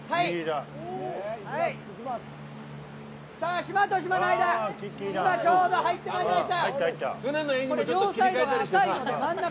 島と島の間ちょうど入ってまいりました。